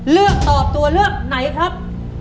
เลือกตอบตัวเลือกไหนครับ